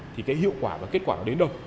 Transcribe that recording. thì cái hiệu quả và kết quả nó đến đâu